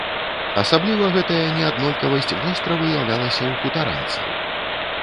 Асабліва гэтая неаднолькавасць востра выяўлялася ў хутаранцаў.